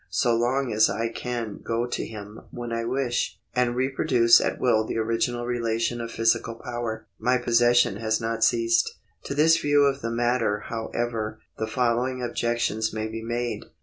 So long as I can go to him when I wish, and reproduce at will the original relation of physical power, my possession has not ceased. To this view of the matter, however, the following objections may be made.